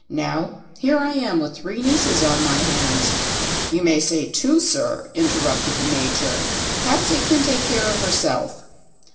Now, here I am with three nieces on my hands " "You may say two, sir," interrupted the Major. "Patsy can take care of herself."